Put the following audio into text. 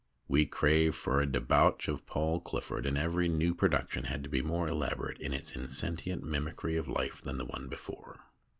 We craved for a debauch of Paul Clifford, and every new production had to be more elaborate in its insentient mimicry of life than the one before.